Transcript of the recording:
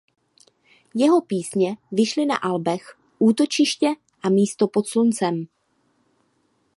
Jeho písně vyšly na albech Útočiště a Místo pod sluncem.